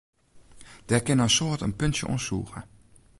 Dêr kinne in soad in puntsje oan sûge.